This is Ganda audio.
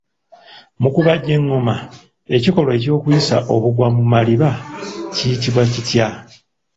Mu kubajja engoma, ekikolwa ky'okuyisa obugwa mu maliba kiyitibwa kitya?